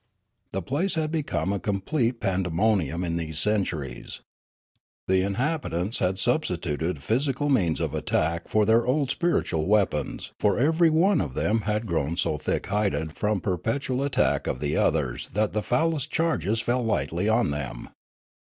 The place had become a complete pandemonium in these centuries. The inhabitants had substituted phys ical means of attack for their old spiritual weapons, for every one of them had grown so thick hided from perpetual attack of the others that the foulest charges fell lightly on them.